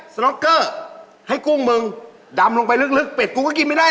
น็อกเกอร์ให้กุ้งมึงดำลงไปลึกเป็ดกูก็กินไม่ได้